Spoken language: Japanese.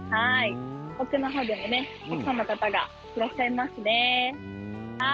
奥の方も、たくさんの方がいらっしゃいますね。